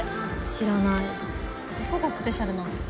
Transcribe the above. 知らないどこがスペシャルなの？